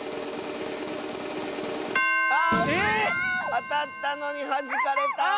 あたったのにはじかれた。